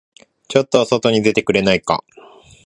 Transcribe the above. ちょっと外に出てくれないか。